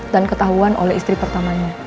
dan ketahuan oleh istri pertamanya